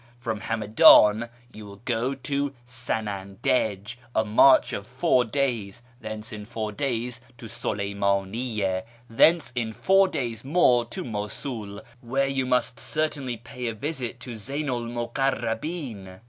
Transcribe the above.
From Hamadan you will go to Sanandij, a march of four days ; thence in four days to Suleymaniyye ; thence in four days more to Mosul, where you must certainly pay a visit to Zeynu l Mukarrabin."